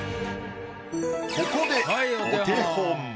ここでお手本。